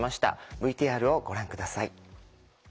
ＶＴＲをご覧下さい。